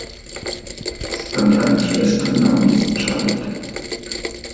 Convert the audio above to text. Sie hat eine Schwester namens Charlotte.